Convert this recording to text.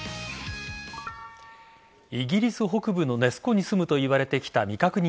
イギリス北部のネス湖にすむといわれてきた未確認